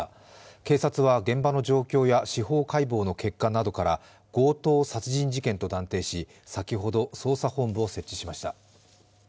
警察は現場の状況や司法解剖の結果などから強盗殺人事件と断定し先ほど捜査本部を設置しました。